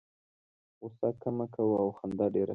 غوسه کمه کوه او خندا ډېره کوه.